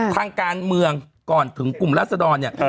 ทางการเมืองก่อนถึงกลุ่มรัศดรเนี่ย